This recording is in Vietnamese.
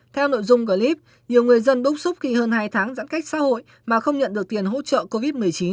theo nội dung clip nhiều người dân bức xúc khi hơn hai tháng giãn cách xã hội mà không nhận được tiền hỗ trợ covid một mươi chín